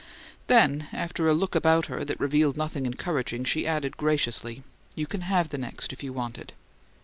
Then, after a look about her that revealed nothing encouraging, she added graciously, "You can have the next if you want it."